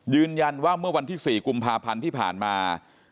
ยืนยันว่าเมื่อวันที่๔กุมภาพันธ์ที่ผ่านมา